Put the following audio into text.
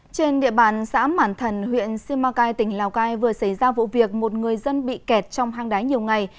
trên địa bàn xã mản thần huyện simacai tỉnh lào cai vừa xảy ra vụ việc một người dân bị kẹt trong hang đáy nhiều ngày